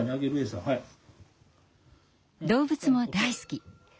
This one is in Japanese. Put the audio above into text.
動物も大好き。